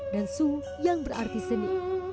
dan su yang berarti seni